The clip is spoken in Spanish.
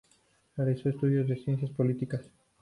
Realizó estudios en Ciencias Políticas.